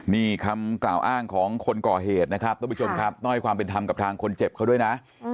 นี่คำกล่าวอ้างของคนก่อเหตุนะครับทุกผู้ชมครับต้องให้ความเป็นธรรมกับทางคนเจ็บเขาด้วยนะ